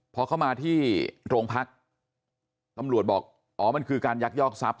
พอเข้ามาที่โรงพักตำรวจบอกอ๋อมันคือการยักยอกทรัพย